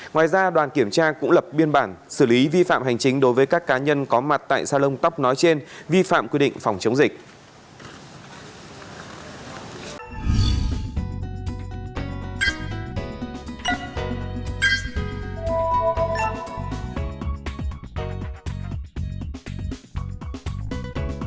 ngoài ra đoàn kiểm tra cũng lập biên bản xử lý vi phạm hành chính đối với các cá nhân có mặt tại salon tóc nói trên vi phạm quy định phòng chống dịch